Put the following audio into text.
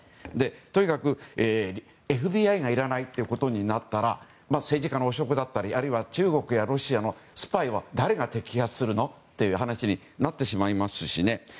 とにかくＦＢＩがいらないということになったら政治家の汚職だったりあるいは、中国やロシアのスパイは誰が摘発するのという話になってしまいますしね。